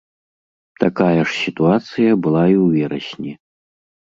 Такая ж сітуацыя была і ў верасні.